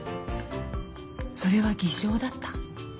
それは偽証だった。